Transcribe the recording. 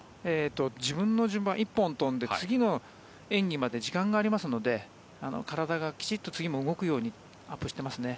自分の順番１本飛んで次の演技まで時間がありますので体がきちっと次も動くようにアップしていますね。